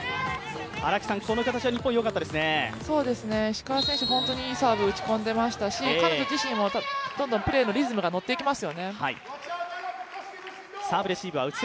石川選手、本当にいいサーブを打ち込んでいましたし、彼女自身もどんどんプレーのリズムが乗っていきますよね。